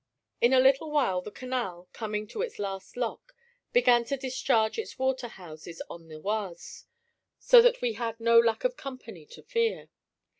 In a little while the canal, coming to its last lock, began to discharge its water houses on the Oise; so that we had no lack of company to fear.